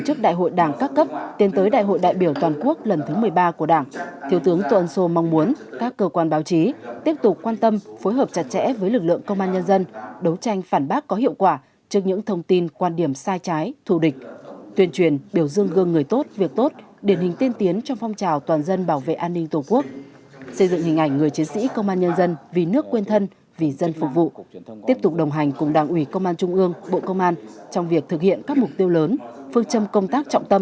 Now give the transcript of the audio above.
tiến tới đại hội đại biểu toàn quốc lần thứ một mươi ba của đảng thiếu tướng tuần sô mong muốn các cơ quan báo chí tiếp tục quan tâm phối hợp chặt chẽ với lực lượng công an nhân dân đấu tranh phản bác có hiệu quả trước những thông tin quan điểm sai trái thù địch tuyên truyền biểu dương gương người tốt việc tốt điển hình tiên tiến trong phong trào toàn dân bảo vệ an ninh tổ quốc xây dựng hình ảnh người chiến sĩ công an nhân dân vì nước quên thân vì dân phục vụ tiếp tục đồng hành cùng đảng ủy công an trung ương bộ công an trong việc thực hiện các mục tiêu lớ